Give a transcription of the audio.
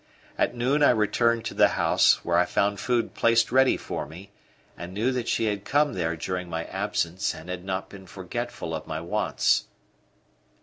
At noon I returned to the house, where I found food placed ready for me, and knew that she had come there during my absence and had not been forgetful of my wants.